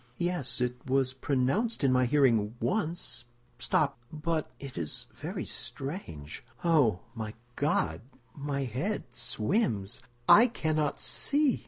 "Yes, it was pronounced in my hearing once. Stop—but—it is very strange—oh, my God, my head swims! I cannot see!"